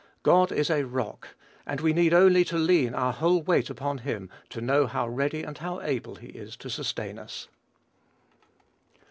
"God is a rock," and we only need to lean our whole weight upon him to know how ready and how able he is to sustain us.